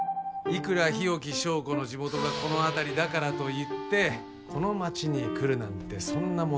いくら日置昭子の地元がこの辺りだからといってこの町に来るなんてそんなものは妄想だ